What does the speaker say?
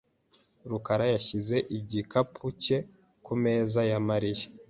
rukara yashyize igikapu cye ku meza ya Mariya .